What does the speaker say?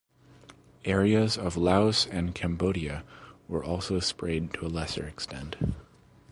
Areas of Laos and Cambodia were also sprayed to a lesser extent.